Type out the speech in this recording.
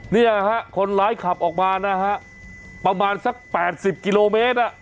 เนี่ยฮะคนร้ายขับออกมานะฮะประมาณสัก๘๐กิโลเมตร